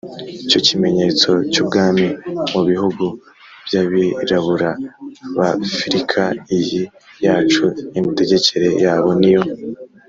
cyo kimenyetso cy’ubwami mu bihugu by’abirabura b’afrika iyi yacu. imitegekere yabo niyo